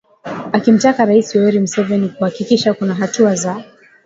akimtaka Rais Yoweri Museveni kuhakikisha kuna hatua za